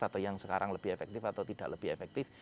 atau yang sekarang lebih efektif atau tidak lebih efektif